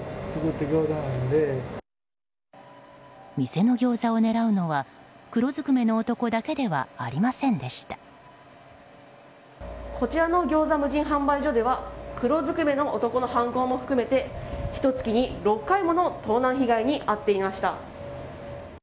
店のギョーザを狙うのは黒ずくめの男だけではこちらのギョーザ無人販売所では黒ずくめの男の犯行も含めてひと月に６回もの盗難被害に遭っていました。